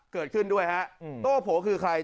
เกิดขึ้นด้วยฮะโต้โผคือใคร